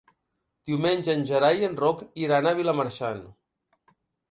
Diumenge en Gerai i en Roc iran a Vilamarxant.